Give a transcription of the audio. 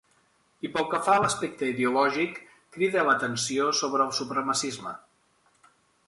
I pel que fa a l’aspecte ideològic, cride l'atenció sobre el supremacisme.